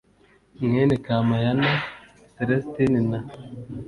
mwene kampayana celestin na